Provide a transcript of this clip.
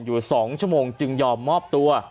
อยู่๒ชั่วโมงจึงยอมมอบตัว